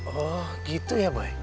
oh gitu ya boy